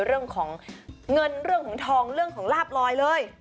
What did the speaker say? เรื่องของเงินเรื่องของทองเรื่องของลาบลอยเลย